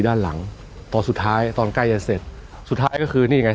ด้านหลังตอนสุดท้ายตอนใกล้จะเสร็จสุดท้ายก็คือนี่ไง